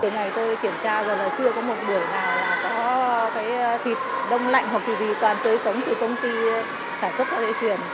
từ ngày nay tôi kiểm tra chưa có một buổi nào có thịt đông lạnh hoặc gì gì toàn tươi sống từ công ty thải phúc thải phí